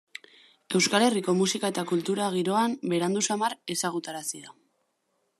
Euskal Herriko musika eta kultura giroan berandu samar ezagutarazi da.